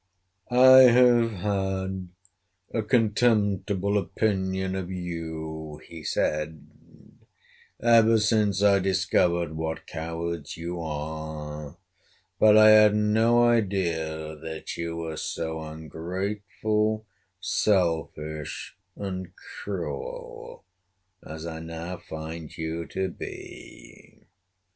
"I have had a contemptible opinion of you," he said, "ever since I discovered what cowards you are, but I had no idea that you were so ungrateful, selfish, and cruel, as I now find you to be.